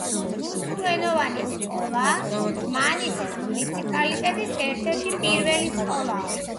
დმანისის რუსულენოვანი სკოლა დმანისის მუნიციპალიტეტის ერთ-ერთი პირველი სკოლაა.